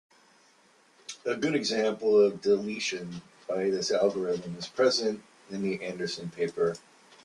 A good example of deletion by this algorithm is present in the Andersson paper.